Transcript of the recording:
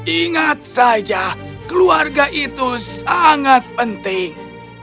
ingat saja keluarga itu sangat penting